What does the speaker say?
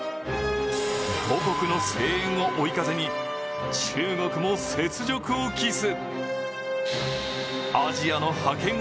母国の声援を追い風に中国も雪辱を期す。